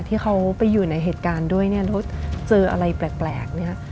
ที่เขาไปอยู่ในเหตุการณ์ด้วยเนี่ยแล้วเจออะไรแปลกเนี่ย